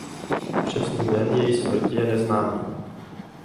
Přesný den její smrti je neznámý.